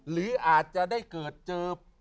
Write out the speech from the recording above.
หรืออาจจะได้เกิดเจอ